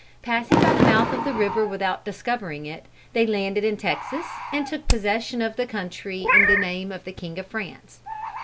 Passing by the mouth of the river without discovering it, they landed in Texas, and took possession of the country in the name of the king of France.